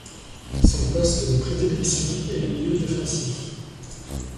Son poste de prédilection est le milieu défensif.